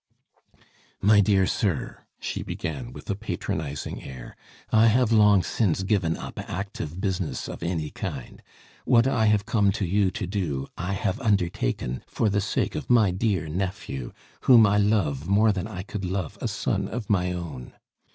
"My dear sir," she began, with a patronizing air, "I have long since given up active business of any kind. What I have come to you to do, I have undertaken, for the sake of my dear nephew, whom I love more than I could love a son of my own.